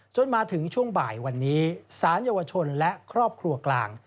จนมาถึงช่วงบ่ายวันนี้สารเยาวชนและครอบครัวกลาง